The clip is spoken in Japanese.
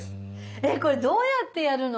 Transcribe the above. えっこれどうやってやるの？